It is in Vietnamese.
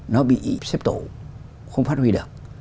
nó bị xếp tổ không phát huy được